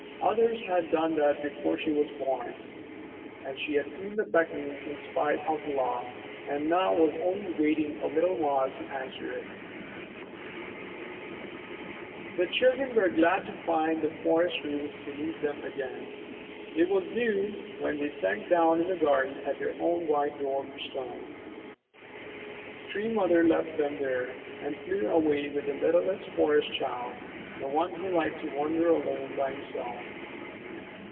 Others had done that before she was born. And she had seen the beckoning in spite of the lock and now was only waiting a little while to answer it. The children were glad to find the forest roof beneath them again. It was noon when they sank down in the garden at their own white door stone. Tree Mother left them there and flew away with the littlest Forest Child, the one who liked to wander alone by himself.